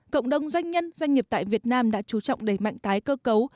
cộng đồng doanh nhân doanh nghiệp tại việt nam đã chú trọng đẩy mạnh tái cơ cấu